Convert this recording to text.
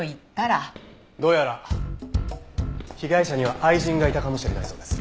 どうやら被害者には愛人がいたかもしれないそうです。